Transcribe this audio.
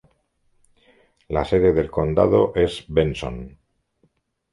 La sede del condado es Benson.